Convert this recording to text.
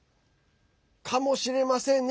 かもしれませんね